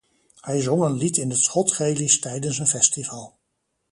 Hij zong een lied in het Schots-Gaelisch tijdens een festival.